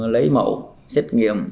lấy mẫu xét nghiệm